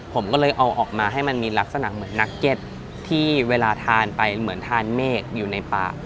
ผมก็เลยเอาออกมาให้มันมีลักษณะเหมือนนักเก็ตที่เวลาทานไปเหมือนทานเมฆอยู่ในป่า